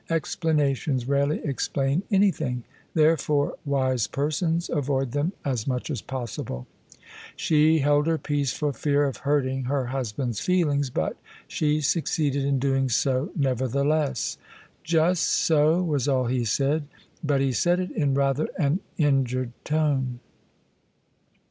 Explanations rarely explain anything: therefore wise persons avoid them as much as possible. She held her peace for fear of hurting her husband's feelings: but she succeeded in doing so never theless. '' Just so," was all he said : but he said it in rather an injured tone.